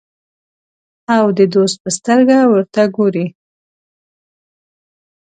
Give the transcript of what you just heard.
او د دوست په سترګه ورته ګوري.